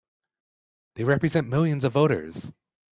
They represent millions of voters!